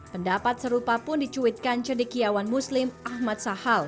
pendapat serupa pun dicuitkan cedekiawan muslim ahmad sahal